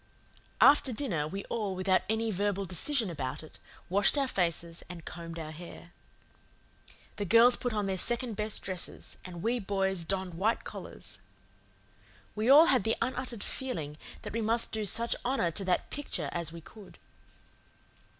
After dinner we all, without any verbal decision about it, washed our faces and combed our hair. The girls put on their second best dresses, and we boys donned white collars. We all had the unuttered feeling that we must do such honour to that Picture as we could.